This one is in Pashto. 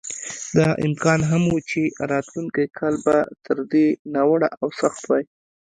دا امکان هم و چې راتلونکی کال به تر دې ناوړه او سخت وای.